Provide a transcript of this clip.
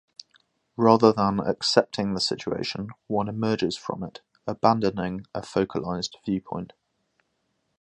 Rather than accepting the situation, one emerges from it, abandoning a focalised viewpoint.